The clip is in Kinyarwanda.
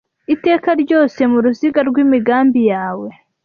Iteka ryose. Mu ruziga rw'imigambi yawe